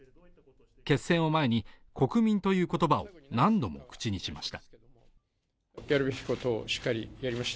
決戦を前に国民という言葉を何度も口にしました